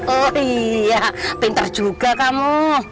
oh iya pintar juga kamu